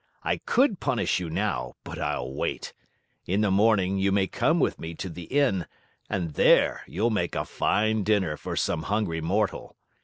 I could punish you now, but I'll wait! In the morning you may come with me to the inn and there you'll make a fine dinner for some hungry mortal.